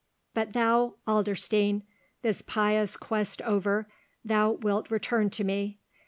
But thou, Adlerstein, this pious quest over, thou wilt return to me.